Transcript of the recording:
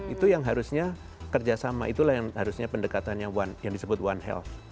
itu yang harusnya kerjasama itulah yang harusnya pendekatannya yang disebut one health